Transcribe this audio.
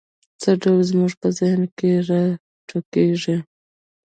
څه ډول زموږ په ذهن کې را ټوکېږي؟